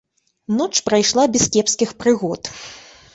Ноч прайшла без кепскіх прыгод.